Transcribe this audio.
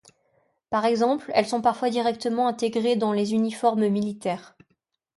Par exemple, elles sont parfois directement intégrées dans les uniformes militaires.